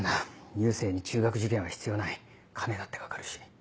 佑星に中学受験は必要ない金だってかかるし。